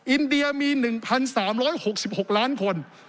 อินเดียมี๑๓๖๖ล้านคน